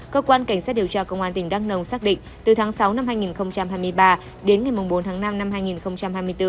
cơ quan cảnh sát điều tra công an tỉnh đắk nông xác định từ tháng sáu năm hai nghìn hai mươi ba đến ngày bốn tháng năm năm hai nghìn hai mươi bốn